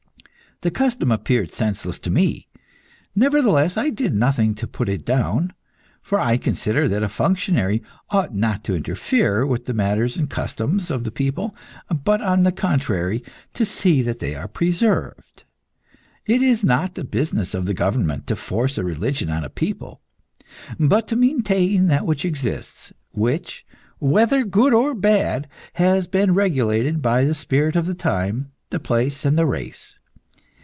The custom appeared senseless to me; nevertheless I did nothing to put it down. For I consider that a functionary ought not to interfere with the manners and customs of the people, but on the contrary, to see that they are preserved. It is not the business of the government to force a religion on a people, but to maintain that which exists, which, whether good or bad, has been regulated by the spirit of the time, the place, and the race.